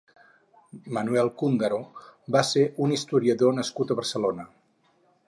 Manuel Cúndaro va ser un historiador nascut a Barcelona.